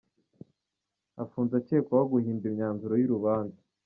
Afunze acyekwaho guhimba imyanzuro y’urubanza